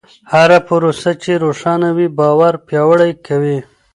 هره پروسه چې روښانه وي، باور پیاوړی کوي.